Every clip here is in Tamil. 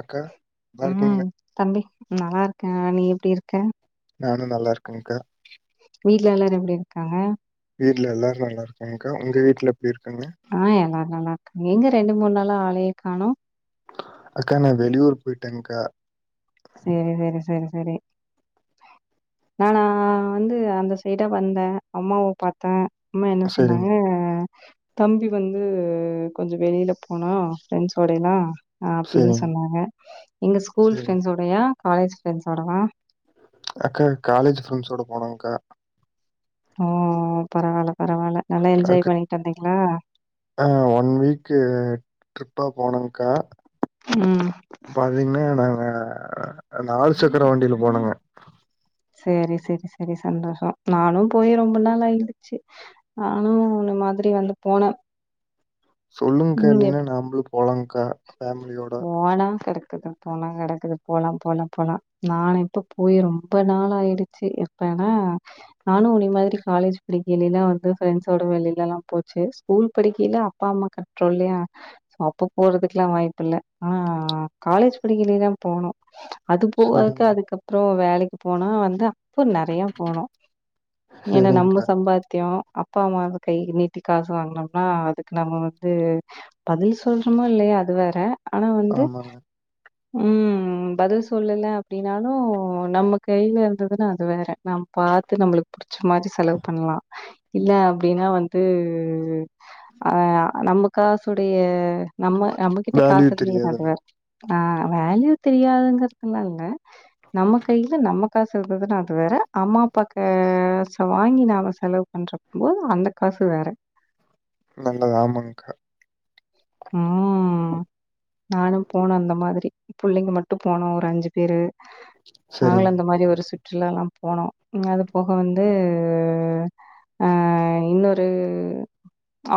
அக்கா நல்லா ம் இருக்கீங்களா தம்பி நல்லாருக்கே நீ எப்டி இருக்க நானு நல்லா இருக்கேங்க்கா வீட்ல எல்லரு எப்டி இருக்காங்க வீட்ல எல்லாரு நல்லா இருக்காங்கக்கா உங்க வீட்ல எப்டி இருக்காங்க ஆ எல்லாரு நல்லா இருக்காங்க எங்க ரெண்டு மூண் நாளா ஆளயே காணோ அக்கா நா வெளியூரு போயிட்டேங்க்கா செரி செரி செரி செரி நானா வந்து அந்த சைடா வந்த அம்மாவ பாத்த அம்மா என்ன சொன்னாங்க செரிங்க தம்பி வந்து கொஞ்சோ வெளில போனா ஃப்ரெண்ட்ஸோடய்லா அப்டின் செரிங்க சொன்னாங்க எங்க ஸ்கூல் செரிங்க ஃப்ரெண்ட்ஸோடயா காலேஜ் ஃப்ரெண்ட்ஸ்ஸோடவா அக்கா காலேஜ் ஃப்ரெண்ட்ஸோட போனோங்க்கா ஆ ஆ பரவால்ல பரவால்ல நல்லா என்ஜாய் அக் பண்ணிட்டு வந்தீங்ளா ஆ ஓன் வீக்கு ட்ரிப்பா போனோம்க்கா ம் பாத்தீங்கன்னா நாங்க நாலு சக்கர வண்டில போனங்க சேரி செரி செரி சந்தோஷோ நானு போய் ரொம்ப நாள் ஆயிடுச்சி நானு உன்ன மாதிரி வந்து போன சொல்லுங்க்கா இல்லைன்னா நாம்ப்ளு போலாங்க்கா ஃபேமிலியோட போனா கரெக்ட்டு தா போனா கெடக்குது போலா போலா போலா நானு இப்ப போய் ரொம்ப நாளா ஆயிடுச்சு எப்பனா நானு உன்ன மாதிரி காலேஜ் படிக்கைல்லைய்ல வந்து ஃப்ரெண்ட்ஸோட வெளிலல்லா போச்சு ஸ்கூல் படிக்கைல அப்பா அம்மா கண்ட்ரோல்லயா அப்ப போறதுக்லா வாய்ப்பு இல்ல ஆனா காலேஜ் படிக்கைலீயே தா போனோ அது போவாக்கு செரிங்க அதுக்கப்றோ வேலைக்கு போனோ வந்தோ அப்போ நெறைய போனோ ஏன்னா நம்ம செரிங்க்கா சம்பாத்யோ அப் ப்பா அம்மா வந்து கை நீட்டி காசு வாங்கனோம்னா அதுக்கு நம்ம வந்து பதில் சொல் சின்னல்ல அது வேற ஆனா வந்து ஆமாங்க ம் ம் பதில் சொல்லல அப்டின்னாலு நம்ம கையில இருந்ததுன்னா அது வேற நம் பாத்து நம்புளுக் புடிச்ச மாதி செலவு பண்லா இல்ல அப்டினா வந்து அ நம்ம காசுடைய நம்ம நம்மகிட்ட வேல்யூ காசு இக்கும்மோ அது தெரியாதுங்க வேற ஆ வேல்யூ தெரியாதுங்கறதுலா இல்ல நம்ம கைல நம்ம காசு இருந்ததுனா அது வேற அம்மா அப்பாக் கேச வாங்கி நாம செலவுப் அன்றக்கும்போது அந்தக் காசு வேற நல்லத ஆமாங்க்கா ம் நானும் போனே அந்த மாதிரி புள்ளைங்க மட்டும் போனோ ஒரு அஞ்சி பேரு நாங்களு செரிங்க அந்த மாரி ஒரு சுற் ற்றுலாலாம் போனோ ம் அதுப் போக வந்து அ இன்னொரு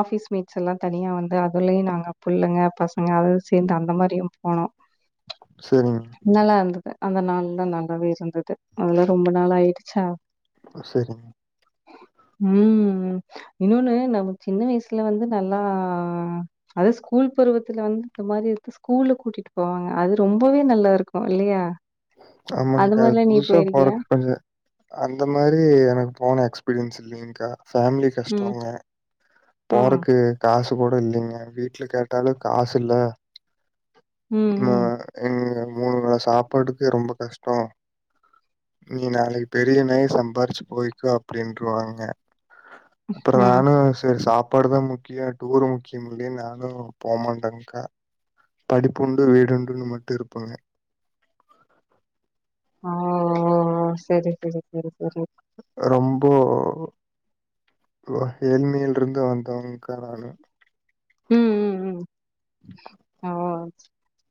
ஆஃபிஸ் மீட்ஸ் எல்லா தனியா வந்து அதுலயு நாங் ங்ப் புள்ளுங்க பசங்க அதது சேந்து அந்த மாரியும் போனோ செரிங்க நல்லா இருந்தது அந்த நாள்லா நல்லாவே இருந்தது அதெல்லா ரொம்ப நாள் ஆயிடுச்சா ம் செரிங்க [inaudible] ம் இன்னொன்னு நம்ம சின்ன வயசுல வந்து நல்லா அது ஸ்கூல் பருவத்துல வந்து இந்த மாரி எட்த்துக் ஸ்கூல்ல கூட்டிட்டு போவாங்க அது ரொம்பவே நல்லா இருக்கும் இல்லையா அது ஆமாங்க்கா மாரிலாம் நீ புதுசா போயிருக்கியா? போறக் கொஞ்ச அந்த மாரி எனக்கு போன எக்ஸ்பீரியன்ஸ் இல்லிங்க்கா ஃபேம்லிப் ம். கஷ்டோங்க ம். போறக்கு காசு கூட இல்லிங்க வீட்ல கேட்டாலு காசு இல்ல ம். மு ம். எங்க மூனு வேள சாப்பாடுக்கே ரொம்ப கஷ்டோ நீ நாளைகு பெரியனாயி சம்பாரிச்சு போய்க்கோ அப்டின்ருவாங்க அப்பறோ ம். நானு செரி சாப்பாடுதா முக் க்கியா டூரு முக்கியமில்லேன் நானு போமாட்டேங்க்கா படிப்புண்டு வீடுண்டுனு மட்டு இருப்பங்க ஓ ஓ ஓ ஓ ஓ செரி செரி செரி செரி ரொம்போ வுவா ஏழ்மைல்ருந்து வந்தவங்க்கா நானு ம் ம் ம் ஓ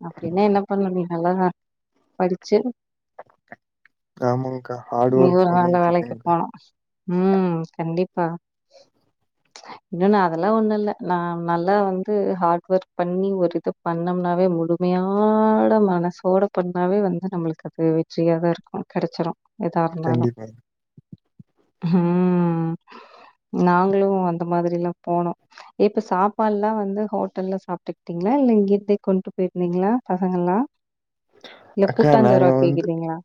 அப்டினா என்னப் பண்ணு நீ நல்லகா படிச்சு கா ஆமாங்க்கா ஆ நீ ஒரு நல்ல வேலைக்குப் போனோ ம் கண்டிப்பா இன்னு நா அதெல்லா ஒன்னுல்ல நா நல்லா வந்து ஹார்ட்ஒர்க் பண்ணி ஒரு இதுப் பண்ணோம்னாவே முழுமையாட மனசோட பண்ணாவே வந்து நம்மளுக்கு அது வெ ற்றியாதா இருக்கு கெடச்சிரு எதா இருந்தாலு கண்டிப்பாங்க. ம் நாங்ளு அந்த மாதிரில்லாம் போனோ இப்ப சாப்பால்லா வந்து ஹோட்டல்ல சாப்டுக்ட்டீங்ளா இல்ல இங்கத்தே கொண்டு போயிருந்தீங்ளா பசங்கள்லா இல்லக் அக்கா கூட்டாஞ்சோறு நாங்க வந்து ஆக்கிகிட்டீங்ளா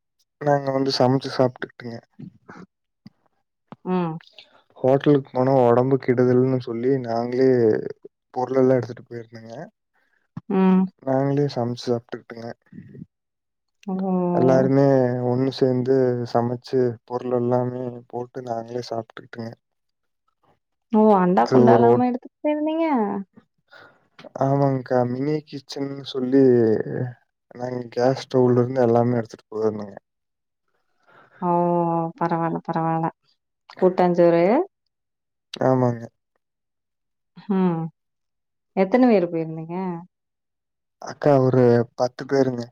நாங்க வந்து சமச்சு சாப்ட்டுக்டங்க ம் ஹோட்டலுக் போன ஒடம்பு கெடுதல்னு நாங்ளே பொருள் எல்லா எடுத்துட்டு போயிருந்தங்க ம் நாங்ளே சமச்சு சாப்ட்டுக்டங்க ஓ எல்லாருமே ஒன்னுச சேந்து சமச்சு பொருள் எல்லாமே போட்டு நாங்ளே சாப்ட்டுக்டங்க ஓ அண்டா ஒரு குண்டாலாம ஒட் எடுத்துட் போயிந்தீங்க ஆமாங்க்கா மினி கிச்சன்னு சொல்லி நாங்க கேஸ் ஸ்டவ்வுலருந்து எல்லாமே எடுத்துட்டு போயிருந்தங்க ஓ பரவால பரவால்ல கூட்டாஞ்சோறே ஆமாங்க ம் எத்தன பேரு போயிருந்தீங்க அக்கா ஒரு பத்து பேருங்க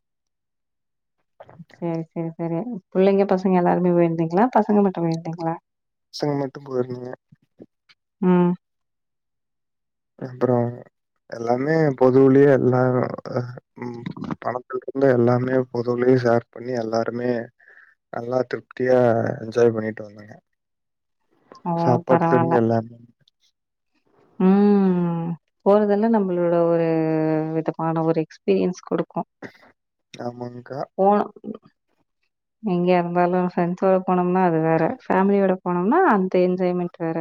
சேர் சேர் சரி புள்ளைங்க பசங்க எல்லாருமே போயிருந்தீங்களா பசங்க மட்டு போயிருந்தீங்களா பசங்க மட்டு போயிருந்தங்க ம் அப்பறோ எல்லாமே பொதுவுலயே எல்லா ஹ ம் பணத்துல இருந்து எல்லாமே பொதுவலயு ஷேர் பண்ணி எல்லாருமே நல்லா திருப்தியா என்ஜாய் பண்ணிட்டு வந்தங்க ஓ சாப்பாட்ல பரவால்ல ந்து எல்லாமே ம் ம் போறதல்லா நம்பளோட ஒரு விதமான ஒரு எக்ஸ்பீரியன்ஸ் கொடுக்கு ஆமாங்க்கா போனு எங்கயா இருந்தாலு ஃப்ரெண்ட்ஸோட போனோம்னா அது வேற ஃபேமிலியோட போனோம்னா அந்த என்ஜாய்மெண்ட் வேற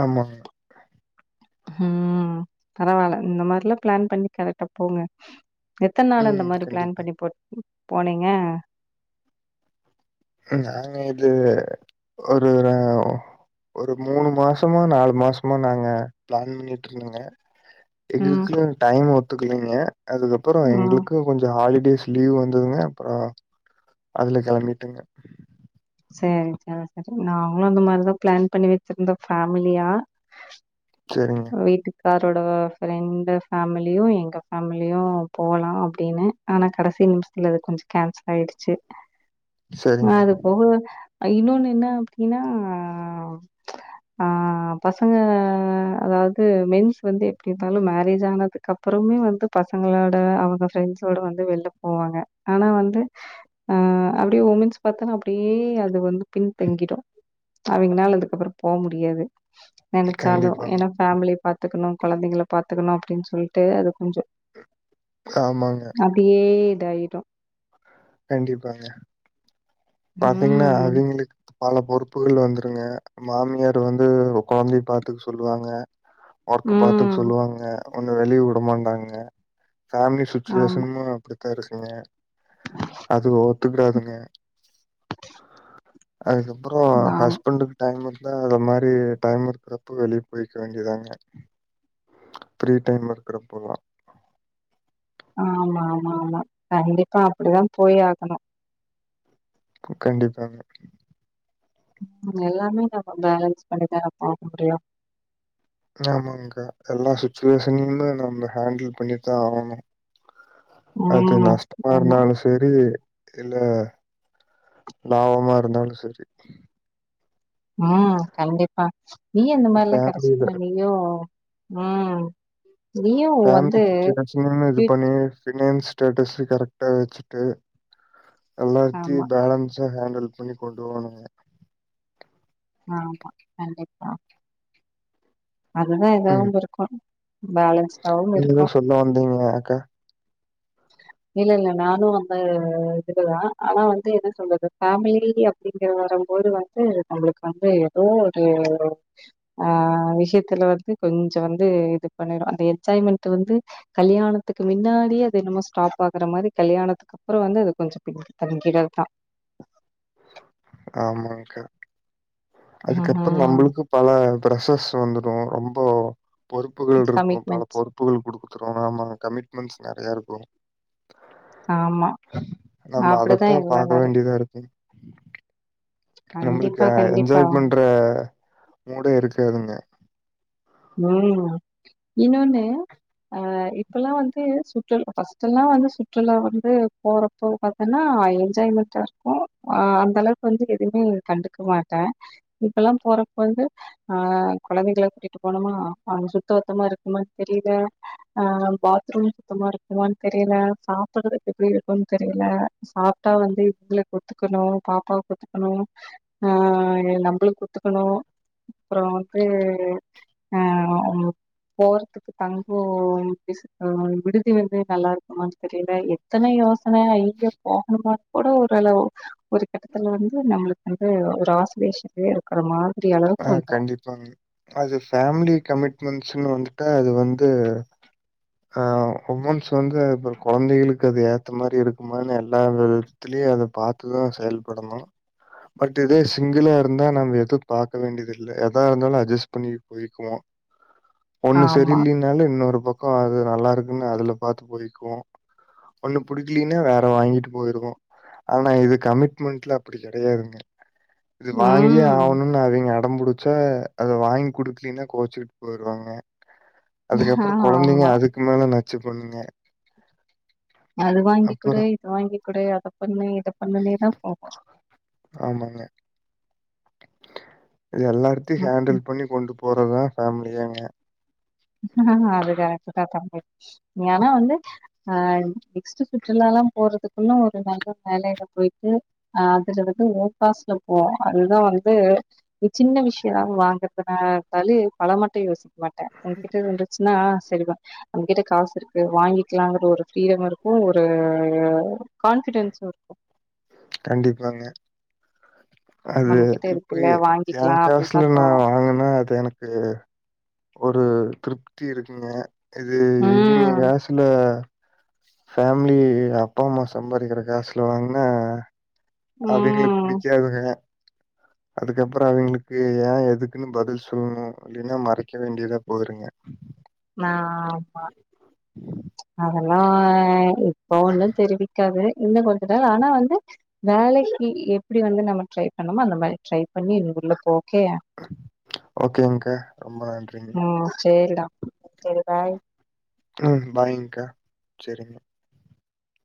ஆமா ம் பரவால்ல இந்த மாரிலா பிளான் பண்ணி கரெக்டா போங்க எத்தன் நாளு அந்த ம். மாரி பிளான் கண்டிப்பா. போ போனீங்க நாங்க இது ஒரு ஆ ஒரு மூனு மாசமா நாலு மாசமா நாங்க பிளான் பண்ணிட்ருந்தங்க ம், எங்களுக்குனு டைம் ஒத்துக்கலீங்க அதுக்கப்புறோ ம். எங்களுக்கு கொஞ்ச ஹாலிடேஸ் லீவ் வந்ததுங்க அப்புறோ அதுல கிளம்பிட்டங்க சேரி [inaudible] அதுக்கப்பறம் நாங்களு அந்த மாரிதா பிளான் பண்ணி வச்சிருந்தோ ஃபேமிலியா சேரிங்க வீட்டுக்காரோட ஃப்ரெண்டு ஃபேமிலியு எங்க ஃபேமிலியு போலா அப்டின்னு ஆனா கடைசி நிமிஷத்துல அது கொஞ்ச கேன்சல் ஆயிடுச்சு சரிங்க அது போக இன்னொன்னு என்ன அப்டின்னா ஆ பசங்க அதாவது மென்ஸ் வந்து எப்படி இருந்தாலும் மேரேஜ் ஆனது கப்புறமே வந்து பசங்களோட அவங்க ஃப்ரெண்ட்ஸோட வந்து வெள்ள போவாங்க ஆனா வந்து ஆ அப்படியே உமென்ஸ் பாத்தா ப்படியே அது வந்து பின்தங்கிடு அவிங்னால அது கப்பறோ போ முடியாது நெனைச்சாலு கண்டிப்பாங்க. ஏன்னா ஃபேமிலிய பாத்துக்கணு கொழந்தைங்கல பாத்துக்கணு அப்படின் சொல்ட்டு அது கொஞ்சோ ஆமாங்க அப்டியே இதாயிடு கண்டிப்பாங்க பாத்தீங்கன்னா ம். அவிங்களுக்கு பல பொறுப்புகள் வந்துருங்க மாமியாரு வந்து கொழந்தை பாத்துக் சொல்லுவாங்க ஒர்க்கு பாத்துக் ம். சொல்லுவாங்க ஒன்னு வெளிய உடமாட்டாங்க ஃபேமிலி ஆமா. சுச்சுவேஷன்மு அப்படித்தா இருக்குங்க அது ஒத்துக்கடாதுங்க அதுக்கப்புறோ ஆமா. ஹஸ்பண்டு டைம் இருந்தா அது மாரி டைம் இருக்கிறப்போ வெளியே போய்க்க வேண்டிதாங்க ஃப்ரீ டைம்ல இருக்கறப்பலா ஆமா ஆமா ஆமா கண்டிப்பா அப்படிதா போய் ஆகணு கண்டிப்பாங்க எல்லாமே நம்ம பேலன்ஸ் பண்ணிதானே போ முடியு ஆமாங்கா எல்லா சுச்சுவேஷன்மு நம்ம ஹேண்டில் பண்ணித்தா ஆகணு அது ம். நஷ்டமா ஆமா. இருந்தாலு செரி இல்ல லாபமா இருந்தாலு செரி ம் கண்டிப்பா நீ அந்த மாரிலா [unintelligible] ஃபேமிலில வேண்டிது ம் நீயும் வந்து ஃபேமிலி சிட்டுவேஷனுமு இது ஸ்வீட் பண்ணி ஃப்னான்ஸ் ஸ்டேட்டஸ் கரெக்டா வெச்சுட்டு எல்லாத்தையு ஆமா, பேலன்ஸா ஹேண்டல் பண்ணி கொண்டு போனாங்க ஆமா கண்டிப்பா அதுதா ம் இதாவுமிருக்கு பேலன்ஸ்டாவுமிருக்கு ல்லா வந்தீங்க ஏக்கா இல்லல்ல நானு வந்து இதுக்குதா ஆனா வந்து என்ன சொல்றது ஃபேமிலி அப்டிங்கற வரம் போது வ த்து நம்மளுக்கு வந்து எதோ ஒரு ஆ விஷயத்துல வந்து கொஞ்ச வந்து இது பண்ணிரு அந்த என்ஜாய்மெண்ட் வந்து கல்யாணத்துக்கு மின்னாடியே அது என்னமோ ஸ்டாப் ஆகுற மாரி கல்யாணத்துக்கப்றோ வந்தது கொஞ்ச [unintelligible] தங்கிடத் தா ஆமாங்க்கா அதுக்கப்பற ம்ஹ்ம். நம்மளுக்கு பல பிரசர்ஸ் வந்துரு ரொம்போ பொறுப்புகள்ட்ருக்கு பல கமிட்மெண்ட்ஸ். பொறுப் புள்ளைளுக் குடுத்துறோனு ஆமா கமிட்மெண்ட்ஸ் நெறையா இருக்கோணு ஆமா. நம்ம அப்படிதான் அதத்தா எல்லாம் பாக்க இரு வேண்டியதா இருக்குங் கண்டிப்பா, நம்மளுக்கு கண்டிப்பா. என்ஜாய் பண்ற மூடே இருக்காதுங்க ம் இன்னோன்னு அ இப்பெல்லா வந்து சுற்ற ஃபஸ்ட்டெல்லா வந்து சுற்றுலா வந்து போறப் போ பாத்தன்னா என்ஜாய்மெண்டா இருக்கு அ அந்தளவுக்கு வந்து எதுமே கண்டுக்க மாட்டே இப்பெல்லா போறப்போ வந்து அ கொழந்தைகள கூட்டி ட்டு போனமா அங்க சுத்த பத்தமா இருக்குமான் தெரியில அ பாத்ரூம் சுத்தமா இருக்குமான்னு தெரியில சாப்பறதுக்கு எப்டி இருக்குன் தெரியில சாப்டா வந்து இவுங்களுக்கு ஒத்துக்கணு பாப்பாவ்க்கு ஒத்துக்கணு அ நம்பளுக் ஒத்துக்கணு அப்றோ வந்து அ போறதுக்கு தங்கோ எப்டி அ விடுதி வந்து நல்லா இருக்குமான் தெரியில எத்தன யோசன எங்க போகணுமா கூட ஓரளவு ஒரு கட்டத்துல வந்து நம்மளுக்கு வந்து ஒரு ஆசுவேஷேன்லே இருக் கற மாரி ஆ அளவுக்கு வந்ரு [unintelligible] அது ஃபேமிலி கமிட்மெண்ட்ஸுனு வந்துட்டா அது வந்து அ வுமன்ஸ் வந்து இப்ப கொழந்தைகளுக்கு அது ஏத்த மாரி இருக்குமானு எல்லா வித திலியு அத பாத்துதா செயல்படணு பட் இதே சிங்களா இருந்தா நம்ம எது பாக்க வேண்டியதில்ல எதா இருந்தாலு அட்ஜஸ் பண்ணி போய்க்குவோ ஒன்னு ஆமா சரியில்லின் னாலு இன்னோரு பக்கோ அது நல்லா இருக்குன் அதுல பாத்து போய்க்குவோ ஒண்ணு புடிக்கலினா வேற வாங்கிட்டு போயிருவோ ஆனா இது கமிட்மெண்ட்ல அப்டி கெடையாதுங்க இது வாங்கியே ம் ஆவுணுன்னு அவிங் க அடம் புடிச்சா அத வாங்கி குடுக்லின்னா கோவ்ச்சிட் போய்ருவாங்க ஆ அதுக்கப்றோ கொழந்தைங்க ஆமா அதுக்கு மேல நச்சு பண்ணுங்க அது வாங்கி குடு அப்புறம் இது வாங்கி குடு அத பண்ணு இத பண்ணுனேதா போகு ஆமாங்க இது எல்லார்டையு ஹேண்டில் பண்ணி கொண்டு போறத் தா ஃபேமிலியேங்க அது கரெட்டு தா தம்பி ஆனா வந்து அ நெக்ஸ்ட்டு சுற்றுலாலா போறதுக்குள்ள ஒரு நல்ல வேலைல போய்ட்டு அ அதுல வந்து ஓ காசுல போ அதுதா வந்து சின்ன விஷயோ வாங்கறதுன இருந்தாலே பல மாட்டு யோசிக்க மாட்டே உன்கிட்ட இருந்து ச்சுன்னா சரி தா ஒங்கிட்ட காசு இருக்கு வாங்கிக்கலாங்கற ஒரு ப்ரீடம் இருக்கு ஒரு கான்பிடென்ஸு இருக்கு கண்டிப்பாங்க அது நம்ம கிட்ட இப்ப இருக்குல்ல எ வாங்கிக்கலா அப்டின்னுதா காசுல நா தோணு வாங்குனா அது எனக்கு கு‌ ஒரு திருப்தி இருக்குங்க இதே இவிங்க ம் காசுல ஃபேமிலி அப்பா அம்மா சம்பாதிக்கிற காசுல வாங்குனா அவிங்களுக்கு ம் புடிக்காதுங்க [inaudible] அதுக்கப்புறோ அவிங்களுக்கு ஏ எதுக்குன் பதில் சொல்னு இல்லைனா மறைக்க வேண்டியதா‌ போயிருங்க [inaudible] ஆமா அதெல்லா இப்ப ஒன்னு தெரிவிக் க்காது இன்னு கொஞ்ச நேரா ஆனா வந்து வேலைக்கு எப்டி வந்து நம்ம ட்ரை பண்ணோமோ அந்த மாரி ட்ரை பண்ணி உள்ள போக‌ ஓகேயா ஓகேங்க்கா ரொம்ப நன்றி ம் சேரிடா சேரி பாய் ம் பாய்ங்க்கா செரி